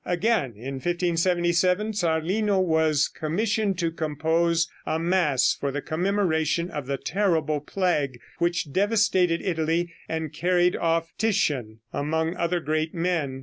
Again, in 1577, Zarlino was commissioned to compose a mass for the commemoration of the terrible plague which devastated Italy and carried off Titian, among other great men.